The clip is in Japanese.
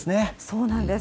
そうなんです。